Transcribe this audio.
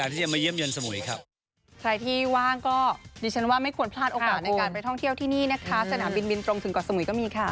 ที่นี่นะคะสนามบินตรงถึงเกาะสมุยก็มีค่ะ